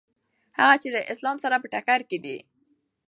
هغه چې له اسلام سره په ټکر کې دي.